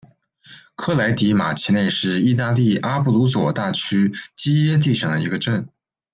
科莱迪马奇内是意大利阿布鲁佐大区基耶蒂省的一个镇。